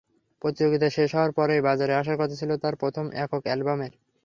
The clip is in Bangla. প্রতিযোগিতা শেষ হওয়ার পরই বাজারে আসার কথা ছিল তাঁর প্রথম একক অ্যালবামের।